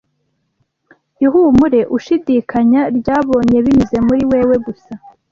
Ihumure ushidikanya ryabonye binyuze muri wewe gusa